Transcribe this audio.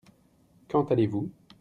Quand allez-vous ?